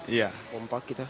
iya kompak kita